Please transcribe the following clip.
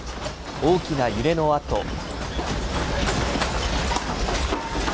大きな揺れのあと。